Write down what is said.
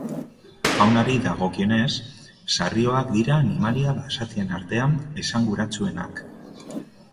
Faunari dagokionez, sarrioak dira animalia basatien artean esanguratsuenak.